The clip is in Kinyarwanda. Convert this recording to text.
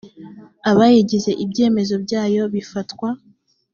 abayigize ibyemezo byayo bifatwa